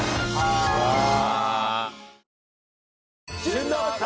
ああ。